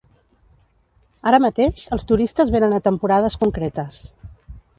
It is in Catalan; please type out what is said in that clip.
Ara mateix els turistes venen a temporades concretes.